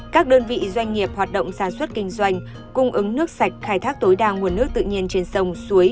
các đơn vị doanh nghiệp hoạt động sản xuất kinh doanh cung ứng nước sạch khai thác tối đa nguồn nước tự nhiên trên sông suối